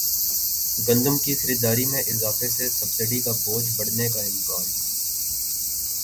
گندم کی خریداری میں اضافے سے سبسڈی کا بوجھ بڑھنے کا امکان